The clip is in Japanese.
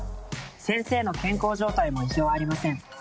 「先生の健康状態も異常ありません」